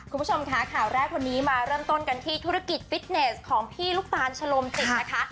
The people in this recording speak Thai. คุณผู้ชมค่ะข่าวแรกวันนี้มาเริ่มต้นกันที่ธุรกิจฟิตเนสของพี่ลูกตาลชะลมจิตนะคะ